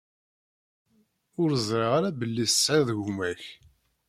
Ur ẓṛiɣ ara belli tesɛiḍ gma-k.